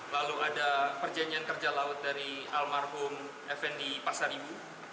lalu ada perjanjian kerja laut dari almarhum fnd pasar ibu